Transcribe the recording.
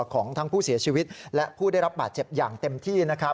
ของทั้งผู้เสียชีวิตและผู้ได้รับบาดเจ็บอย่างเต็มที่